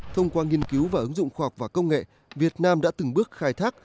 thông qua nghiên cứu và ứng dụng khoa học và công nghệ việt nam đã từng bước khai thác